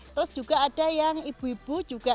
terus juga ada yang ibu ibu juga